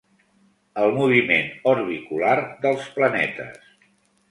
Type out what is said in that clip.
El moviment orbicular dels planetes.